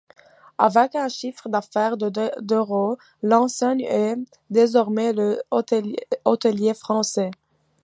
Avec un chiffre d'affaires de d'euros, l'enseigne est désormais le hôtelier français.